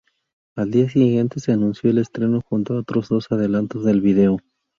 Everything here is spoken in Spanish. Al día siguiente se anunció el estreno junto a otros dos adelantos del video.